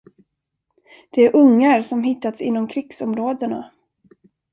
Det är ungar, som hittats inom krigsområdena.